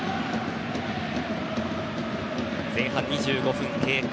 前半２５分経過。